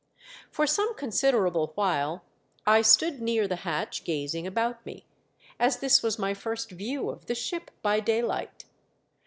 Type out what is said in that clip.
For some considerable while I .stood near the hatch gazing about me, as this was my first view of the ship by daylight.